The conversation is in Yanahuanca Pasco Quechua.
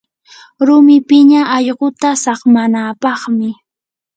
rumi piña allquta saqmanapaqmi.